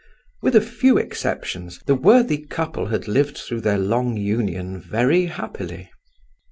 With a few exceptions, the worthy couple had lived through their long union very happily.